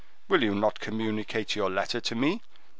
You will not communicate your letter to me?